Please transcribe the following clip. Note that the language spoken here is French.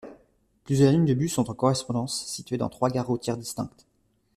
Plusieurs lignes de bus sont en correspondance, situées dans trois gares routières distinctes.